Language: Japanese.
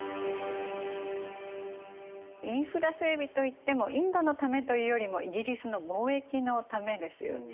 インフラ整備といってもインドのためというよりもイギリスの貿易のためですよね。